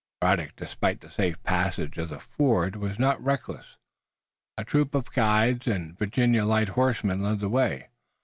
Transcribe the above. Braddock, despite the safe passage of the ford, was not reckless. A troop of guides and Virginia light horsemen led the way.